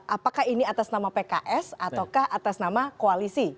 apakah ini atas nama pks ataukah atas nama koalisi